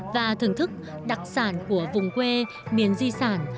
và thưởng thức đặc sản của vùng quê miền di sản